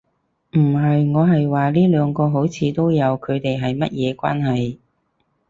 唔係。我係話呢兩個好像都有，佢地係乜嘢關係